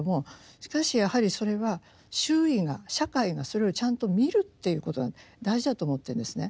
しかしやはりそれは周囲が社会がそれをちゃんと見るっていうことが大事だと思ってるんですね。